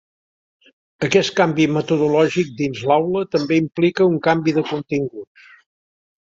Aquest canvi metodològic dins l'aula també implica un canvi de continguts.